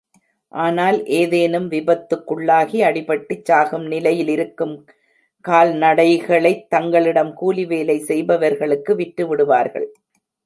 ஆனால் ஏதேனும் விபத்துக்குள்ளாகி அடிபட்டுச் சாகும் நிலையிலிருக்கும் கால் நடைகளைத் தங்களிடம் கூலிவேலை செய்பவர்களுக்கு விற்றுவிடுவார்கள்.